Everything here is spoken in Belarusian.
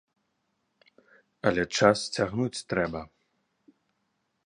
Але час цягнуць трэба.